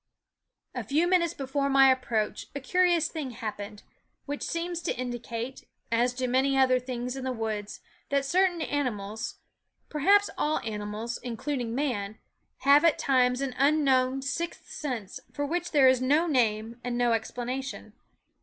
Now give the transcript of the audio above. A few minutes before my approach a curious thing happened ; which seems to indi cate, as do many other things in the woods, that certain animals perhaps all animals, including man have at times an unknown sixth sense, for which there is no name and no explanation.